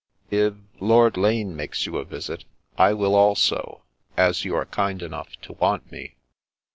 If— rLord Lane makes you a visit, I will also, as you are kind enough to want me."